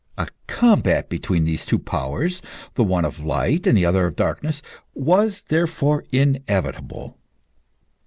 A combat between these two powers the one of light and the other of darkness was, therefore, inevitable.